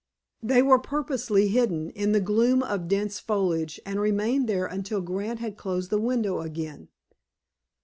They were purposely hidden, in the gloom of dense foliage, and remained there until Grant had closed the window again.